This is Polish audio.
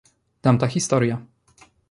Tamta historia.